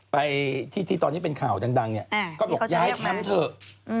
ไปที่ตอนนี้เป็นข่าวดังเนี่ยก็บอกย้ายแคมป์เถอะ